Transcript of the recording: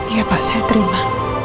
iya pak saya terima